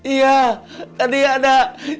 iya tadi ada